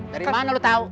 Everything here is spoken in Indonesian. dari mana lu tau